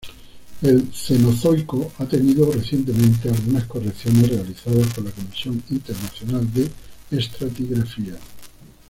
El Cenozoico ha tenido recientemente algunas correcciones realizadas por la Comisión Internacional de Estratigrafía.